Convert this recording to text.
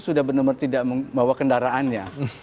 sudah benar benar tidak membawa kendaraannya